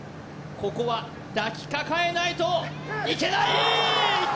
ここは抱きかかえないといけないいった！